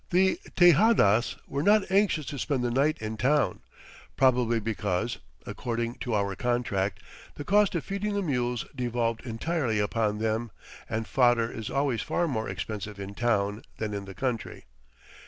The Tejadas were not anxious to spend the night in town probably because, according to our contract, the cost of feeding the mules devolved entirely upon them and fodder is always far more expensive in town than in the country.